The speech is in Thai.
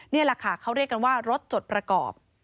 นี่แหละค่ะเขาเรียกกันว่ารถจดประกอบ